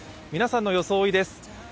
皆さんの装いです。